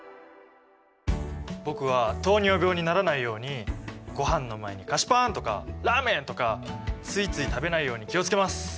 僕は糖尿病にならないようにごはんの前に菓子パンとかラーメンとかついつい食べないように気を付けます。